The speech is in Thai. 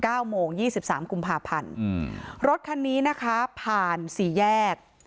เก้าโมงยี่สิบสามกุมภาพันธ์อืมรถคันนี้นะคะผ่านสี่แยก